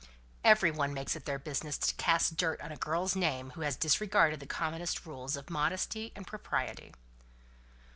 "Every one makes it their business to cast dirt on a girl's name who has disregarded the commonest rules of modesty and propriety."